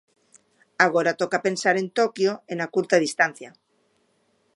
Agora toca pensar en Toquio e na curta distancia.